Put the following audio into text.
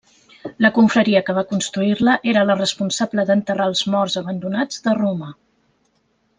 La confraria que va construir-la era la responsable d'enterrar els morts abandonats de Roma.